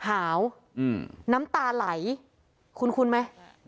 หาวน้ำตาไหลคุ้นไหม